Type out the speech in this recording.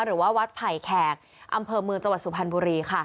หรือว่าวัดไผ่แขกอำเภอเมืองจังหวัดสุพรรณบุรีค่ะ